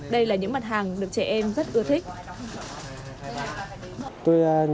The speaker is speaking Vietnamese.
đây là những mặt hàng được trẻ em rất ưa thích